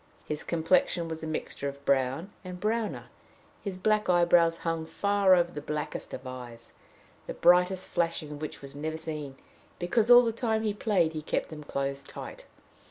His complexion was a mixture of brown and browner; his black eyebrows hung far over the blackest of eyes, the brightest flashing of which was never seen, because all the time he played he kept them closed tight.